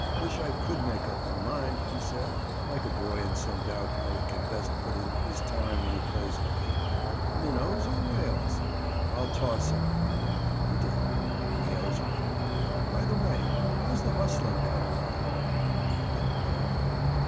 "Wish I could make up my mind," he said, like a boy in some doubt how he can best put in his time when he plays hooky. "Minnows or whales? I'll toss up." He did. "Whales win. By the way, how's the hustling coming on?" "Don't know."